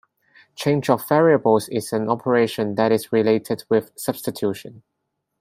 Change of variables is an operation that is related with substitution.